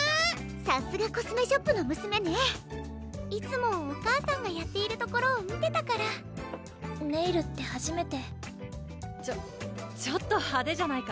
さすがコスメショップの娘ねいつもお母さんがやっているところを見てたからネイルってはじめてちょちょっと派手じゃないか？